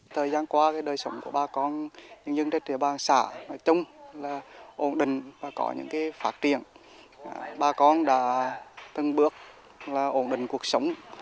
từng bước là ổn định cuộc sống